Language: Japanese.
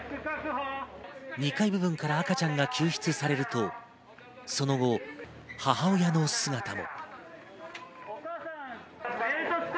２階部分から赤ちゃんが救出されるとその後、母親の姿も。